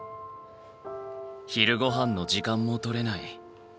昼ごはんの時間も取れない。